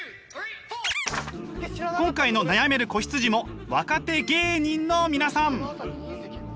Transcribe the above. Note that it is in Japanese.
今回の悩める子羊も若手芸人の皆さん！